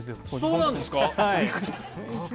そうなんですか？